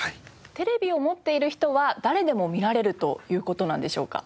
テレビを持っている人は誰でも見られるという事なんでしょうか？